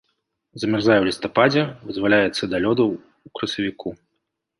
Замярзае ў лістападзе, вызваляецца да лёду ў красавіку.